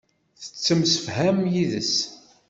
Tettemsefham yid-s.